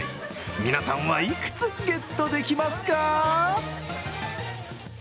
皆さんはいくつゲットできますか？